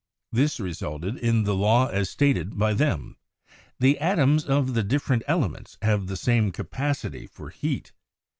This resulted in the law as stated by them : the atoms of the different elements have the same capacity for heat.